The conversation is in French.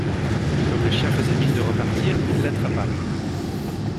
Comme le chien faisait mine de repartir, elle l’attrapa.